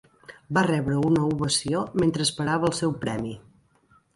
Va rebre una ovació mentre esperava el seu premi.